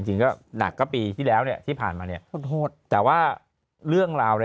จริงก็หนักก็ปีที่แล้วเนี่ยที่ผ่านมาเนี่ยโทษแต่ว่าเรื่องราวเนี่ย